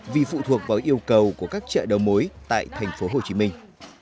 vì phụ thuộc vào yêu cầu của các chợ đầu mối tại thành phố hồ chí minh